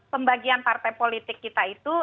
pembagian partai politik kita itu